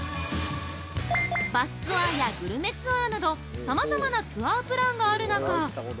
バスツアーやグルメツアーなどさまざまなツアープランがある中